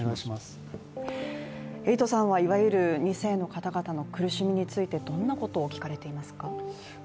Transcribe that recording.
エイトさんはいわゆる２世の方々の苦しみについてどんなことを聞かれていますか？